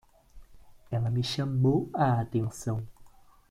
Ela me chamou a atenção!